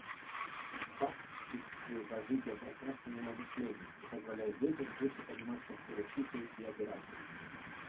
Абак стимулирует развитие пространственного мышления и позволяет детям лучше понимать структуру чисел и операций.